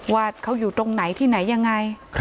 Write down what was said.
ว่าเขาอยู่ตรงไหนที่ไหนยังไง